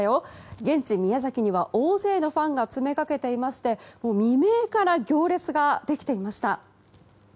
現地・宮崎には大勢のファンが詰めかけていまして未明から行列ができていました。